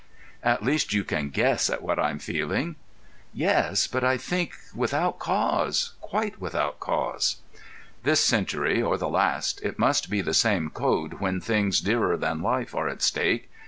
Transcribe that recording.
At least you can guess at what I'm feeling." "Yes; but I think without cause—quite without cause." "This century or the last, it must be the same code when things dearer than life are at stake.